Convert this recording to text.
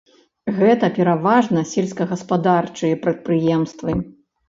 Гэта пераважна сельскагаспадарчыя прадпрыемствы.